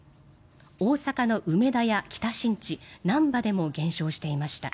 大阪の梅田や北新地、なんばでも減少していました。